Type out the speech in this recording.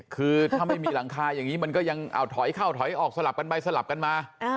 คือถ้าไม่มีหลังคาอย่างนี้มันก็ยังเอาถอยเข้าถอยออกสลับกันไปสลับกันมา